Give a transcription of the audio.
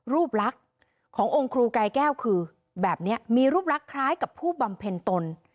รูปลักษณ์ขององค์ครูกายแก้วคือแบบนี้มีรูปลักษณ์คล้ายกับผู้บำเพ็ญตน